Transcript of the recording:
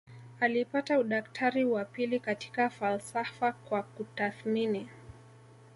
Alipata udaktari wa pili katika falsafa kwa kutathmini